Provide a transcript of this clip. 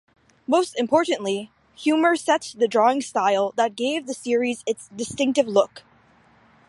Most importantly, Huemer set the drawing style that gave the series its distinctive look.